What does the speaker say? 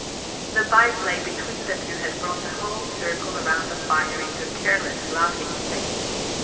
The by play between the two had brought the whole circle around the fire into a careless, laughing state.